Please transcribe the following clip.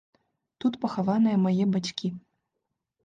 Тут пахаваныя мае бацькі.